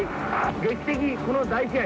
劇的、この大試合。